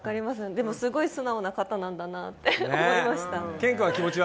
でもすごい素直な方なんだなって思いました。